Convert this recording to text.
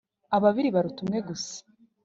Ababiri baruta umwe. Gusa